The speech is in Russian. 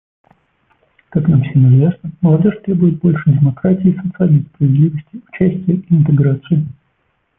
Как нам всем известно, молодежь требует больше демократии, социальной справедливости, участия и интеграции.